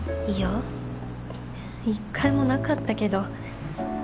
いや一回もなかったけど。